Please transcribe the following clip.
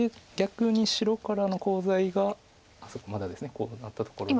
こうなったところで。